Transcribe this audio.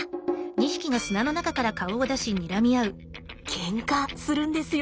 ケンカするんですよ